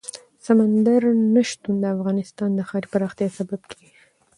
سمندر نه شتون د افغانستان د ښاري پراختیا سبب کېږي.